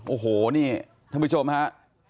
โอ้โหนี่ท่านผู้ชมฮะ